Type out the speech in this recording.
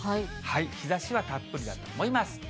日ざしはたっぷりだと思います。